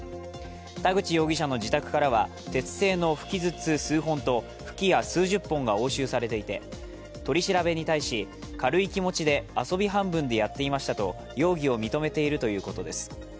田口容疑者の自宅からは鉄製の吹き筒数本と吹き矢数十本が押収されていて取り調べに対し、軽い気持ちで遊び半分でやっていましたと、容疑を認めているということです。